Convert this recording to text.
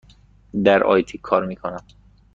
در آی تی کار می کنم.